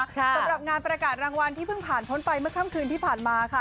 สำหรับงานประกาศรางวัลที่เพิ่งผ่านพ้นไปเมื่อค่ำคืนที่ผ่านมาค่ะ